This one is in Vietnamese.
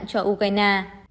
nặng cho ukraine